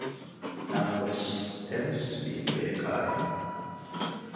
ނަމަވެސް އެވެސް ވީ ބޭކާރު